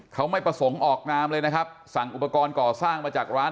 เขาไม่ประสงค์ออกนามเลยนะครับสั่งอุปกรณ์ก่อสร้างมาจากร้าน